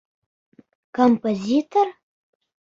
Композитор?